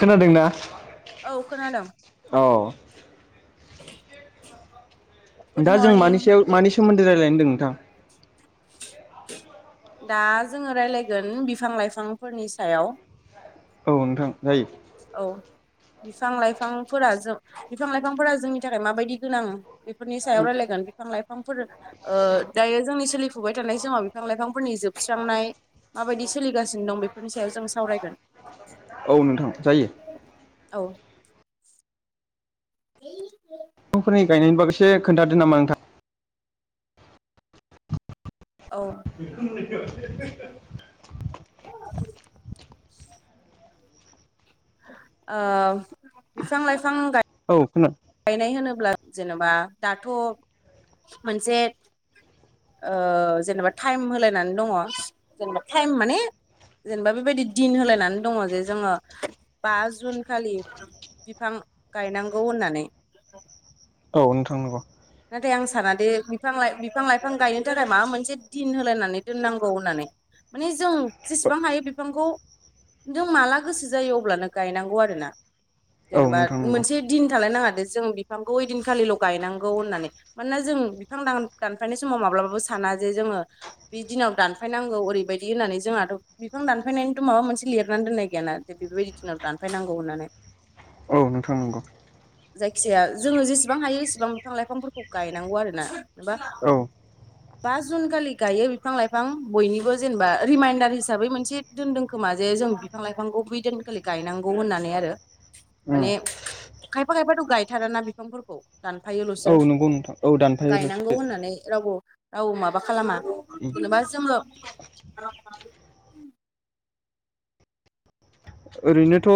खोनादोंना? औ खोनादों औ गुड दा जों मरनिं मानि सायाव मानि सोमोन्दै रायलायनो ओनदों नोंथां? दा जोङो रायलायगोन बिफां-लाइफांफोरनि सायाव औ नोंथां जायो। बिफां-लाइफांफोरा जों बिफां लाइफांफोरा जोंनि थाखाय माबायदि गोनां? नि सायाव रायलायगोन बिफां-लाय फांफोर ओ दायो जोंनि सोलिफुबाय थानाय समाव बिफां-लाइफांफोरनि जोबस्रांनाय माबायदि सोलिगासिनो दं बेफोरनि सायाव जों सावरायगोन। थारो। औ दफांफोरनि गायनायनि बागैसे खोन्थादो नामा नोंथां? औ [inaudible] बिफां लाइफां गाय औ खोना गायनाय होनोब्ला जेनेबा दाथ' मोनसे जेनेबा टाइम होलायनानै दङ जेनेबा टाइम माने जेनेबा बेबायदि दिन होलायनानै दङ जे जोङो बा जुन खालि बिफां गायनांगौ होननानै औ नोंथां नंगौ। नाथाय आं साना दे बिफां बिफां लाइफां गायनो थाखाय माबा मोनसे दिन होलायनानै दोननांगौ होननानै माने जों जेसेबां हायो बिफांखौ नों माला गोसो जायो अब्लानो गायनांगौ आरोना औ जेनेबा नोंथां नंगौ मोनसे दिन थालायनाङादो जों बिफांखौ ओइदिनखालिल' गायनांगौ होननानै मानोना जों बिां दानफायनाय समाव माब्लाबाबो साना जे जोङो बे दिनाव दानफायनांगौ ओरैबायदि होननानै जोंहाथ' बिफां दानफायनायनिथ' माबा मोनसे लिरनानै दोननाय गैयाना दे बेबायदि दिनाव दानफ फायनांगौ होननानै औ नोंथां नंगौ जायखिजाया जोङो जेसेबां हायो एसेबां बिफां लाइफांफोरखौ गायनांगौ आरो ना जबा औ बा जुन खालि गायो बिफां लाइफां बयनिबो जेनेबा रिमाइडार हिसाबै मोनसे दोनदों खोमा जे जे जों बिफां लाइफांखौ बै दोनखालि गायनांगौ होननानै आरो उम माने खायफा खायफाथ' गायथारा ना बिफांफोरखौ दान औ थफायोल'सो नंगौ नोंथां औ दानफायोल'सो गायनांगौ होननानै रावबो रावबो माबा खालामा जेनेबा जोंल' ओरैनोथ'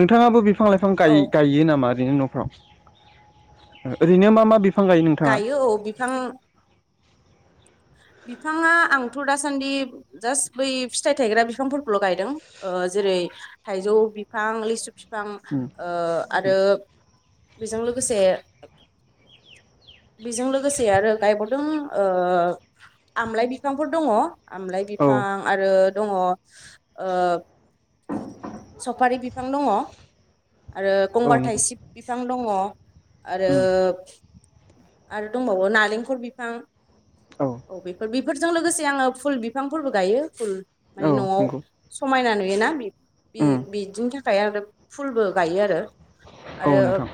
नोंथाङाबो बिफां लाइफां औ गायो नामा? ओैनो न'फ्राव ओरैनो मा मा गायो औ बिफां [inaudible] बिफाङा आंथ' दासान्दि जासट बै फिथाइ थायग्रा बिफांफोरखौल' गायदों। जेरै थाइजौ बिफां लिसु फिफां आरो बेजों लोगोसे बेजों लोगोसे आरो गायबावदों। आमलाय बिफांफोर दङ आमलाइ औ बिफां आरो दङ। सफारि बिफां दङ। आरो औ गंगार नंगौ थाइसिब बिफां दङ। आरो आरो दंबावो नालेंखल बिफां औ औ बेफोर बेफोरजों लोगोसे आङो फुल बिफांफोरबो गायो फुल औ माने न'आव नंगौ समायनानै गोना बिदिनि थाखाय आरो फुलबो गायो आरो। औ आरो नोंथां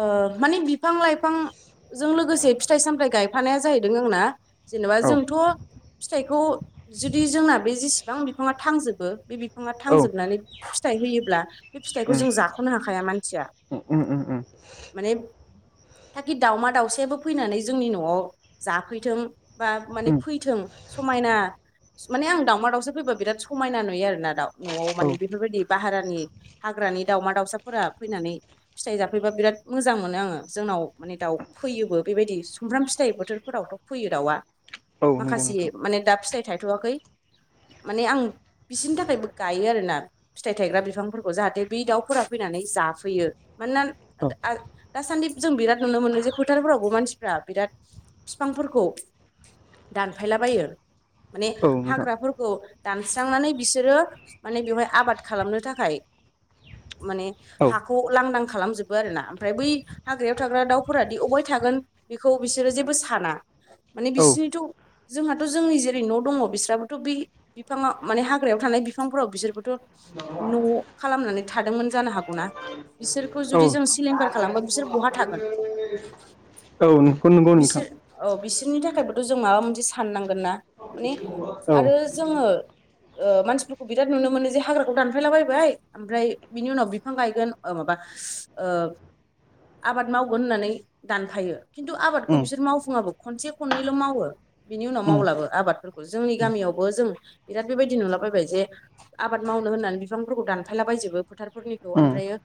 आ माने बिफां लाइफांजों लोगोसे फिथाइ सामथाय गायफानाया जाहैदों। आंना जेनेबा जोंथ' औ फिथाइखौ जुदि जोंना बे जेसेबां बिफाङा थांजोबो। बे बिफाङा थांजोबनानै फिथाइ होयोब्ला बे फिथाइखौ औ जों जाख'नो हाखाया मानसिया उम उम उम माने थाखि दावमा दाउसयाबो फैनानै जोंनि न'आव जाफैथों बा माने उम फैथों समायना माने आं दावमा दाउसि फैबा बिराद समायना नुयो आरोना दाउ न'आव उम औ माने बेफोरबायदि बाहेरानि हाग्रा हाग्रानि दाउमा दाउसाफोरा फैनानै फिथाइ जाफैबा बिराद मोजां मोनो आङो जोंनाव माने दाउ फैयो बेबायदि सुमब्राम फिथाइ बोथोरफोरावथ' फैयो दाउआ औ नंगौ माखासे नोंथां माने दा फिथाइ थायथ'वाखै माने आं बिसोरनि थाखायबो गायो आरोना फिथाइ थायग्रा बिफांफोरखौ जाहाथे बे दाउफोरा फै नानै जाफैयो मानोना औ दासान्दि जों बिराद नुनो मोनो जे फोथारफोरावबो मानसिफ्रा बिराद बिफांफोरखौ दानफायलाबायो माने औ नोंथां हाग्राफोरखौ दानस्रांनानै बिसोरो माने बेवहाय आबाद खालामनो थाखाय माने औ हाखौ लांदां खालामजोबो आरो ना ओमफ्राय बै हाग्रायाव थाग्रा दाउफोरा अबेयाव था थागोन बेखौ बिसोरो जेबो साना माने औ बिसोरनिथ' जोंहाथ' जोंनि जेरै न' दंङो बिसोराबोथ' बै बिफांङा माने हाग्रायाव थानाय बिफांफोराव बिसोरबोथ' न' खालामनानै थादोंमोन जानो हागौना बिसोरखौ जुदि जों सिलिंखार खालामबा बिसोर बहा थागोन औ नंगौ नंगौ नोंथां बिनि थाखायबोथ' जों माबा मोनसे साननांगोन ना माने औ आरो जोंङो मानसिफोरखौ बिराद नुनो मोनो जे हाग्राखौ दानफायलाबायायबाय ओमफ्राय बिनि उनाव बिफां गायगोन माबा ओ आबाद मावगोन होननानै दानफायो खिन्थु आबादखौ उम बिसोर मावफुंङाबो खनसे खननैल' मावो बिनि उनाव उम मावलाबो आबादफोरखौ जोंनि उम गामियावबो जों बिराद बेबायदि नुला बायबाय जे आबाद मावनो होननानै बिफांफोरखौ दानफायला बाजोबो फोथारफोरनिखौ उम ओमफ्रायो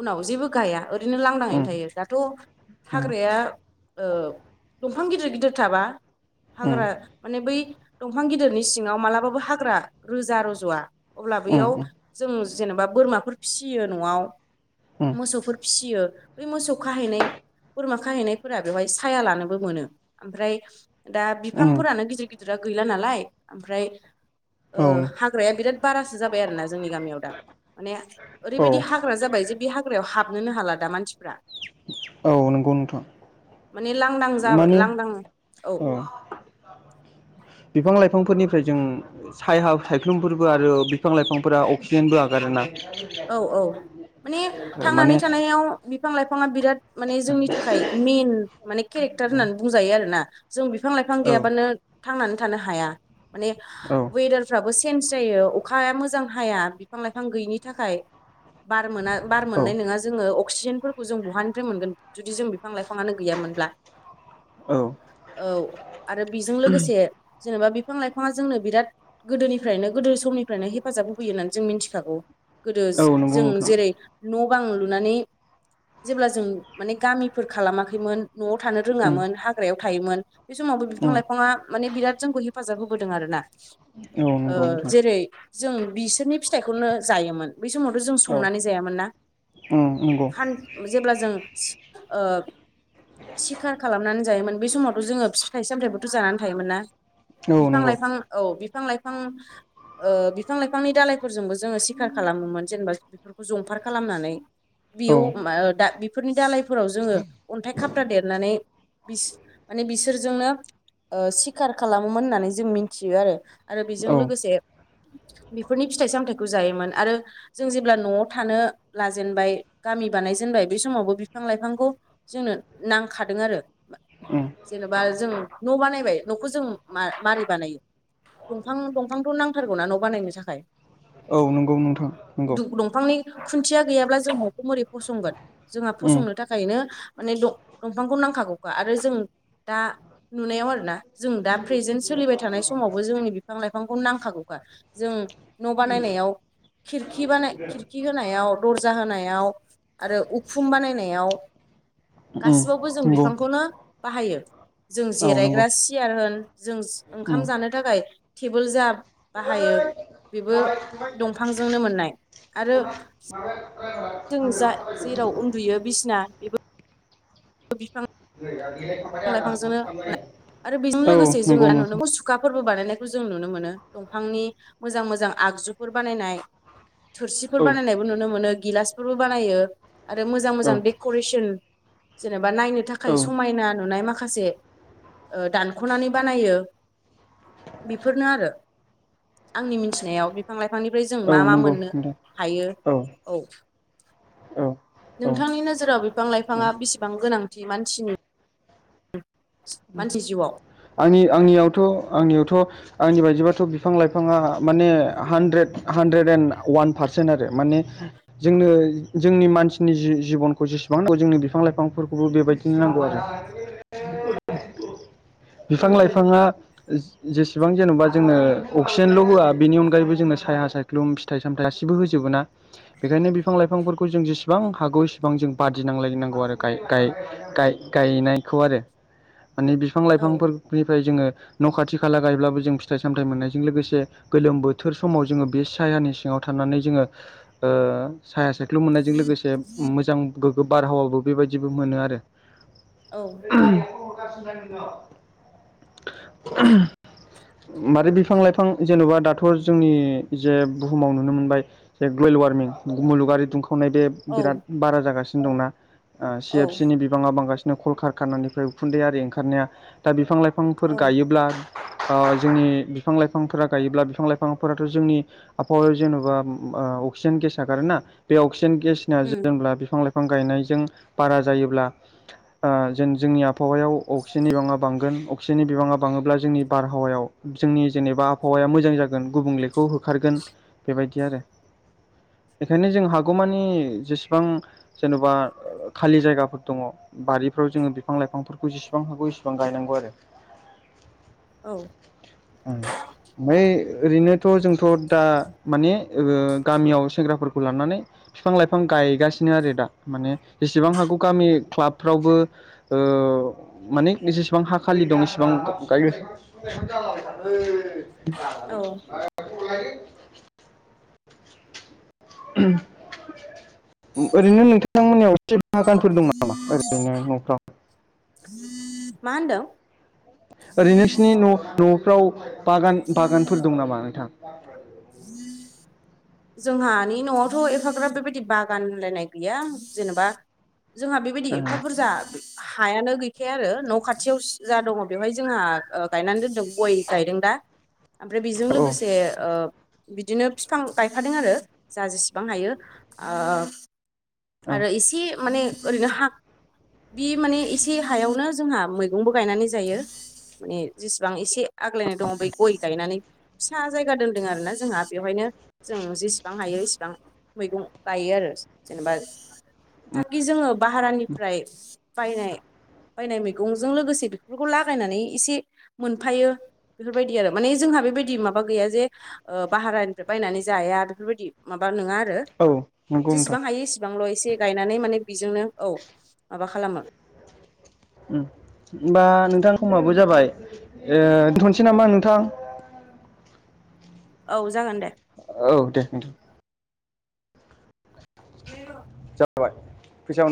उनाव जेबो गाया ओरैनो लांदाङैनो उम थायो दाथ' हाग्राया दंफां गिदिर गिदिर थाबा हाग्रा माने बै दंफां गिदिरनि सिङांव मालाबाबो हाग्रा रोजा रुज'वा अब्ला ज लाबैयाव उम जों जेनेबा बोरमाफोर फिसियो न'आव उम मोसौफोर फिसियो बै मोसौ खाहैनाय बोरमा खाहैनायफोरा बेवहाय साया लानो मोन दा उम उम बिफांफोरानो गिदिर गिदिरा गैला नालाय औ हाग्राया बिराद बारासो जाबाय आरोना जोंनि गामियाव दा माने ओरैबायदि औ हाग्रा जाबाय जे बे हाग्रायाव हाबनोनो हाला दा मानसिफ्रा औ नंगौ नोंथां माने लांदां जाबाय माने लांदां औ बिफां लाइफांफोरनिफ्राय जों साय सायख्लुमफोरबो आरो बिफां लाइफांफोरा अक्सिजेनबो आगारोना [inaudible] औ औ माने थांनानै माने थानायाव बिफां-, लाइफांङा बिराद माने जोंनि थाखाय मइेन माने केरेक्टार होननानै बुंजायो आरोना जों बिफां लाइफां बिफां औ गैयाबानो थांनानै थानो हाया। माने औ वेदारफ्राबो चेन्ज जायो अखाया मोजां हाया बिफां लाइफां गैयिनि थाखाय बार मोना बार औ मोननाय नंङा जोंङो अक्सिजेनफोरखौ जों बहानिफ्राय मोनगोन जुदि जों बिफां लाइफाङानो गैयामोन मोनब्ला औ औ आरो बेजों लोगोसे जेनेबा बिफां- लाइफाङा जोंनो बिराद गोदोनिफ्रायनो गोदो समनिफ्रायनो हेफाजाब होफैयो होननानै जों मिथिखागौ गोदो औ नंगौ जों नोंथां जेरै न' बां लुनानै जेब्ला जों माने गामिफोर खालामाखैमोन न'आव थानो उम रोङामोन हाग्रायाव थायोमोन बे समाव उम बिफां लाइफांङा माने बिराद जोंखौ हेफाजाब होबोदों आर ना औ नंगौ नोंथां जेरै जों बिसोरनि फिथाइखौनो जायोमोन बै समावथ' जों औ संनानै जायामोन ना उम नंगौ जेब्ला जों सिखार खालामनानै जायोमोन बे समावथ' जोंङो फिथाइ सामथायाइबोथ' जानानै थायोमोन ना औ बिफां नंगौ लाइफां औ बिफां लाइफां बिफां लाइफांनि दालायफोरजोंबो जोंङो सिखार खालामोमोन जेनेबा बेफोरखौ जंफार खालामनानै औ बेयाव बेफोरनि दालायफोराव जोंङो अन्थाइ खाबथ्रा देरनानै बिस माने बिसोरजोंनो सिखार खालामोमोन होननानै जों मिथियो आरो आरो बेजों औ लोगोसे बेफोरनि फिथाइ सामथायाइखौ जायोमोन आरो जों जेब्ला न'आव थानो लाजेनबाय गामि बानायजेनबाय बे समावबो बिफां लाइफांखौ जोंनो नांखादों आरो उम जेनेबा जों न' बानायबाय न'खौ जों मारै बानायो दंफां दंफांथ' नांथारगौनाा न' बानायनो थाखाय औ नंगौ नोंथां नंगौ दंफांनि खुन्थिया गैयाब्ला जों न'खौ बोरै फसंगोन जोंहा उम फसंनो थाखायनो माने दंफांखौ नांखागौ आरो जों दा नुनायाव आरोना जों दा फ्रेजेन सोलिबाय बाय थानाय समावबो जोंनो बिफां लाइफांखौ नांखागौखा जों न' बानायनायाव खिरखि बानाय खिरखि होनायाव दर्जा होनायाव आरो उखुम बानायनायाव उम गासिबावबो जों नंगौ बिफांखौनो बाहायो जों औ नंगौ जिरायग्रा सियार होन जों उम ओंखाम जानो थाखाय टेबोल जा बाहायो बेबो जाबाय दंफांजोंनो मोननाय आरो जों जा जेराव उन्दुयो बिसिना बेबो बिफां बिफां लाइफांजोंनो आरो बेजों औ लोगोसे जोङो नंगौ नुनो नोंथां मुसुखा फोरबो बानायनायखौ जों नुनो मोनो दंफांनि मोजां मोजां आगजुफोर बानायनाय थोरसिफोर औ बानायनायबो नुनो मोनो गिलासफोरबो बानायो आरो मोजां औ मोजां डेक'रेसन जेनेबा नायनो औ थाखाय समायना नुनाय माखासे दानख'नानै बानायो बेफोरनो आरो आंनि मिथिनायाव बिफां लाइफांनिफ्राय जों औ मा मा नंगौ मोननो नोंथां हायो औ औ औ नोंथांनि नोजोराव बिफां लाइफाङा बेसेबां गोनांथि मानसिनि मानसि जिउआव आंनि आंनियावथ' आंनियावथ' आंनि बायदिबाथ' बिफां लाइफाङा माने hundred hundred and one percent आरो माने जोंनो जोंनि मानसिनि जिबनखौ जों जेसेबां नांगौ जोंनि बिफां लाइफांफोरखौबो बेबायदिनो नांगौ आरो बिफां उम उम लाइफाङा जेसेबां जेन'बा जोंङो अक्सिजेनल' होआ बेनि अनगायैबो जोंङो साया सायख्लुम फिथाइ सामथाइ गासिबो होजबोना बेखायनो बिफां लाइफांफोरखौ जों जेसेबां हागौ इसेबां जों बादिनांलायनांगौ आरो गाय गायनायखौ आरो माने बिफां औ लाइफांफोरनिफ्राय जोङो न' खाथि खाला गायब्लाबो जों फिथाइ सामथाय मोननायजों लोगोसे गोलोम बोथोर समाव जोङो बे सायहानि सिङाव थांनानै जोङो साया सायख्लुम ख्लुम मोननायजों लोगोसे मोजां गोग्गो बारहावाबो बेबायदिबो मोनो आरो औ [inaudible] मारै बिफां लाइफां जेन'बा दाथ' जोंनि जे बुहुमाव नुनो मोनबाय जे ग्लबेल वार्मिं मलुगारि दुं- खननाय बे बिराद औ बारा जागासिनो दंना सि एफ औ सि नि बिबाङा बांगासिनो बिदिनो कलकार खानानिफ्राय उखुन्दै आरो ओंखारनाया दा बिफां लाइफांफोर औ गायोब्ला ओ जोंनि बिफां लाइफांफोरा गायोब्ला बिफां लाइफांफोराथ' जोंनि आबहावायाव जेन'बा अक्सिजेन गेस आगारोना बे अक्सि- -जेन गेसनिया उम जेब्ला बिफां लाइफां गायनायजों बारा जायोब्ला जों जोंनि आबावायाव अक्सिजेननि बिबाङा बां- गोन अक्सिजेननि बिबाङा बाङोब्ला जोंनि बारहावायाव जोंनि जेनेबा आहावाया मोजां जागोन गुबुंलेखौ हो खारगोन बेबायदि आरो बेखायनो जों हागौमानि जेसेबां जेन'बा खालि जायगाफोर दङ बारिफ्राव जोङो बिफां लाइफांफोरखौ जेसेबां हागौ इसि बां गायनांगौ आरो औ ओमफाय ओरैनो थ' जोंथ' दा माने ओ गामियाव सेंग्राफोरखौ लानानै बिफां लाइफां गायगासिनो आरो दा माने जेसेबां हागौ गामि क्लाबफ्रावबो ओ माने जेसेबां हा खालि दं एसेबां गायो औ [unintelligible] [unintelligible] [unintelligible] ओरैनो नोंथां मोननियाव एसे बागानफोर दं नामा ओरैनो न'फ्राव मा होनदों? ओरैनो नोंसिनि न'-न'फ्राव बागान-बागानफोर दं नामा नोंथां? [inaudible] जोंहानि न'आवथ' एफाग्राब बेबायदि बागानलायनाय गैया जेनेबा जोंहा बेबायदि एफा बुरजा हायानो गैखाया आरो न' खाथियाव जा दङ बेवहाय जोंहा ओ गायनानै दोनदों गय गायदों दा ओमफ्राय बेजों ओ लोगोसे ओ बिदिनो फिफां गायफादों आरो जा जेसेबां हायो ओ औ आरो एसे माने ओरैनो हा बि माने एसे हायावनो जोंहा मैगंबो गायनानै जायो। माने जेसेबां एसे आग्लायनाय दङ बै गय गायनानै फिसा जायगा दोनदों आरो ना जोंहा बेवहायनो जों जेसेबां हायो एसेबां मैगं गायो आरो जेनेबा थाकि जोङो भारानिफ्राय बायनाय बायनाय मैगंजों लोगोसे बेफोरखौ लागायनानै एसे मोनफायो बेफोरबायदि आरो माने जों हा बेबायदि माबा गैया जे ओ भाहारानिफ्राय बायनानै जाया बेफोरबायदि माबा नङा आरो औ नंगौ नोंथां जेसेबां हायो एसे सेबांल' एसे गायनानै माने बेजोंनो औ माबा खालामो उम ओमबा नोंथां समाबो जाबाय ओ दोनथ'नोसै नामा नोंथां? [inaudible] औ जागोन दे। औ देे नोंथां [inaudible] [unintelligible] फैसा मोन